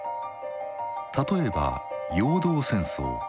例えば「陽動戦争」。